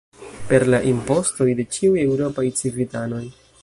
Per la impostoj de ĉiuj eŭropaj civitanoj.